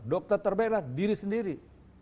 dokter terbaiklah diri sendiri